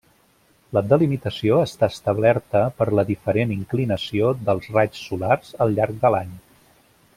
La delimitació està establerta per la diferent inclinació dels raigs solars al llarg de l'any.